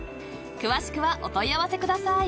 ［詳しくはお問い合わせください］